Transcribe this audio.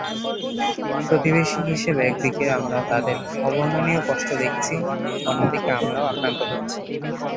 প্রতিবেশী হিসেবে একদিকে আমরা তাদের অবর্ণনীয় কষ্ট দেখছি, অন্যদিকে আমরাও আক্রান্ত হচ্ছি।